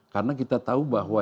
karena kita tahu bahwa